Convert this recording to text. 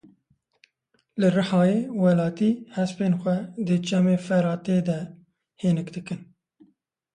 Li Rihayê welatî hespên xwe di Çemê Feratê de hênik dikin.